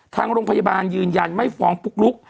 ทางโรงพยาบาลยืนยันไม่ฟ้องปุ๊กลุก